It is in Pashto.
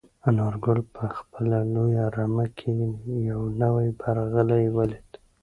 انارګل په خپله لویه رمه کې یو نوی برغلی ولید.